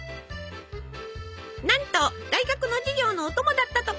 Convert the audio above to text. なんと大学の授業のお供だったとか。